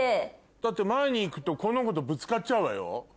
だって前に行くとこのコとぶつかっちゃうわよ。